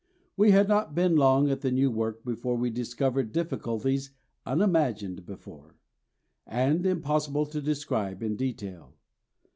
We had not been long at the new work before we discovered difficulties unimagined before, and impossible to describe in detail.